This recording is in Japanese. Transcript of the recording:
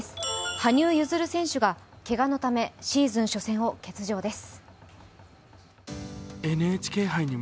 羽生結弦選手がけがのためシーズン予選を欠場です。